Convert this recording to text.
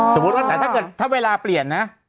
สมมุติว่าถ้าเวลาเปลี่ยนนะ